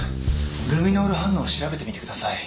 ルミノール反応を調べてみてください。